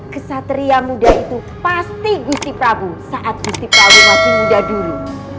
ksatria muda itu pasti gusti prabu saat gusti prabu masih muda dulu